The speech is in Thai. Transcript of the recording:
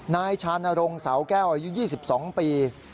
นายชานรงเสาแก้วอายุ๒๒ปี